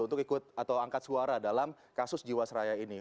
untuk ikut atau angkat suara dalam kasus jiwasraya ini